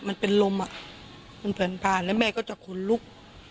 มันเป็นลมอ่ะมันผ่านแล้วแม่ก็จะขนลุก